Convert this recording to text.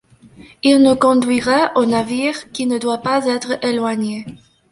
Il nous conduira au navire qui ne doit pas être éloigné!